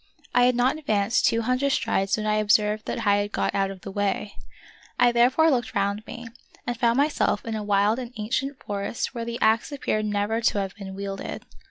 I had not advanced two hundred strides when I observed that I had got out of the way. I therefore looked round me, and found myself in a wild and ancient forest where the axe appeared never to have been wielded.